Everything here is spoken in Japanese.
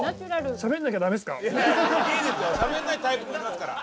しゃべらないタイプもいますから。